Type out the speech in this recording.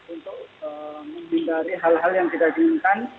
untuk menghindari hal hal yang tidak diinginkan